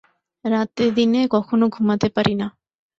রাতে-দিনে কখনো ঘুমাতে পারি না।